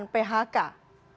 tapi itu tidak phk